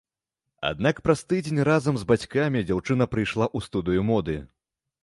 Аднак праз тыдзень разам з бацькамі дзяўчына прыйшла ў студыю моды.